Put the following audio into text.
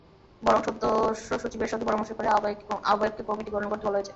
বরং সদস্যসচিবের সঙ্গে পরামর্শ করে আহ্বায়ককে কমিটি গঠন করতে বলা হয়েছে।